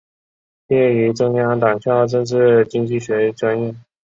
毕业于中央党校政治经济学专业。